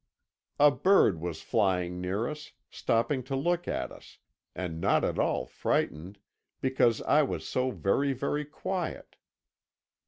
A bird was flying near us, stopping to look at us, and not at all frightened, because I was so very, very quiet.